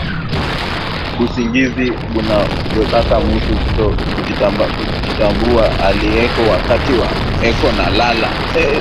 Busingizi buna wekaka mutu kuto kujitambuwa ali eko wakati eko na lala